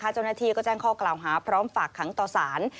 เจ้าหน้าที่ก็แจ้งข้อกล่าวหาพร้อมฝากขังต่อสาร